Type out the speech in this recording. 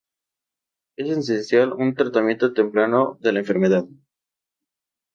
Es esencial un tratamiento temprano de la enfermedad.